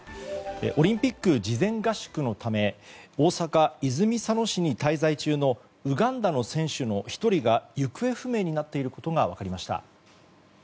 オリンピック事前合宿のため大阪・泉佐野市に滞在中のウガンダの選手の１人が行方不明になっていることが分かりました。